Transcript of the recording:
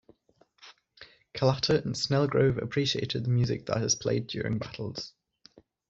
Kalata and Snelgrove appreciated the music that is played during battles.